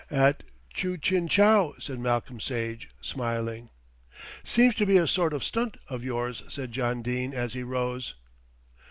"At 'Chu Chin Chow,'" said Malcolm Sage, smiling. "Seems to be a sort of stunt of yours," said John Dene as he rose.